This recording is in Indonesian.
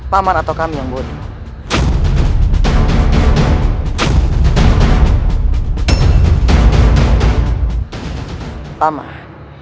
paman atau kami yang bodoh